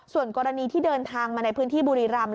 ส่วนกรณีที่เดินทางมาในพื้นที่บุรีรำ